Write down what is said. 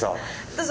どうぞ。